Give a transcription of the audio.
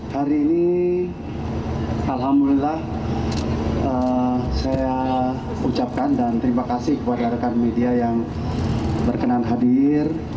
hari ini alhamdulillah saya ucapkan dan terima kasih kepada rekan media yang berkenan hadir